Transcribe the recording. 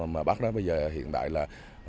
mà bác đó bây giờ hiện tại là